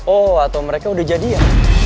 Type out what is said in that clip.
oh atau mereka udah jadi ya